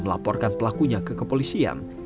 melaporkan pelakunya ke kepolisian